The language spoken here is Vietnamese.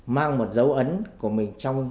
mang một dấu ấn của mình